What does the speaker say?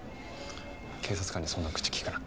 警察官にそんな口利くな。